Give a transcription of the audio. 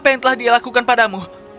apa yang telah dia lakukan padamu